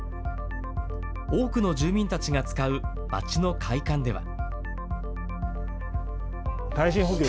多くの住民たちが使う町の会館では。